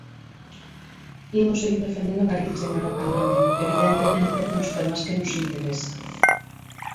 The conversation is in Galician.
Imos seguir defendendo a Galicia, señora Caamaño, evidentemente, nos temas que nos interesa.